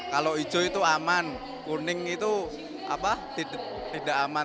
kalau hijau itu aman kuning itu tidak aman